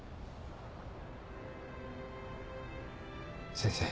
先生。